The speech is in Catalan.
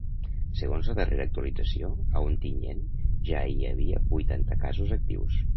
Segons la darrera actualització, a Ontinyent ja hi havia vuitanta casos actius.